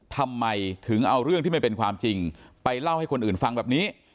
ทำไมถึงเอาเรื่องที่ไม่เป็นความจริงไปเล่าให้คนอื่นฟังแบบนี้